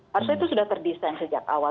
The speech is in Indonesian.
harusnya itu sudah terfikir